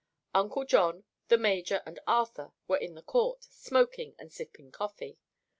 Uncle John, the major and Arthur were in the court, smoking and sipping coffee.